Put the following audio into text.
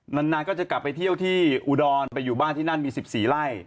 นานก็จะกลับไปเที่ยวที่อุดรไปอยู่บ้านที่นั่นมี๑๔ไร่